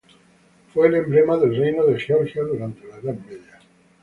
Fue el emblema del Reino de Georgia durante la Edad Media.